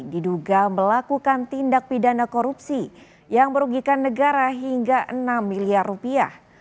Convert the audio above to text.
diduga melakukan tindak pidana korupsi yang merugikan negara hingga enam miliar rupiah